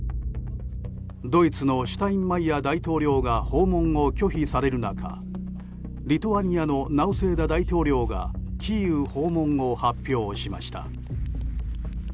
ドイツのシュタインマイヤー大統領が訪問を拒否される中リトアニアのナウセーダ大統領がキーウ訪問を発表しました。